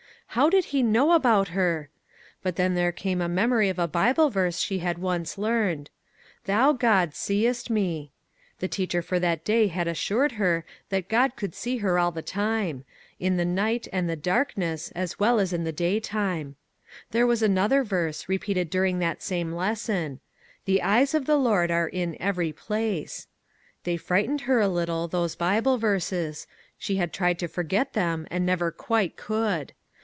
How did he know about her ? But then there came a memory of a Bible verse she had once learned :" Thou God seest me." The teacher for that day had assured her that God could see her all the time ; in the night 43 MAG AND MARGARET and the darkness as well as in the daytime. There was another verse, repeated during that same lesson :" The eyes of the Lord are in every place." They frightened her a little, those Bible verses ; she had tried to forget them and never quite could.